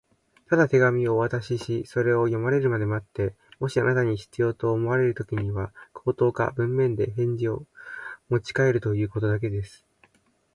「ただ手紙をお渡しし、それを読まれるまで待って、もしあなたに必要と思われるときには、口頭か文面で返事をもちかえるということだけです」